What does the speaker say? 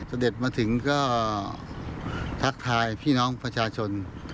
เสด็จมาถึงก็ทักทายพี่น้องประชาชน